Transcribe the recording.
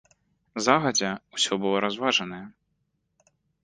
Загадзя ўсё было разважанае.